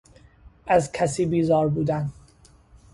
از کسی بیزار بودن